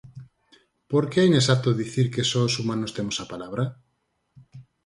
Por que é inexacto dicir que só os humanos temos a palabra?